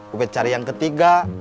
ube cari yang ketiga